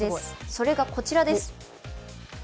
それがこちらです。